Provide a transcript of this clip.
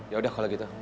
yaudah kalau gitu